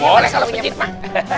boleh kalau pijit mak